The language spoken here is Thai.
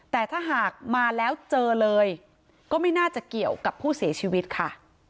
แต่ถ้าหากมาแล้วเจอเลยก็ไม่น่าจะเกี่ยวกับผู้เสียชีวิตค่ะ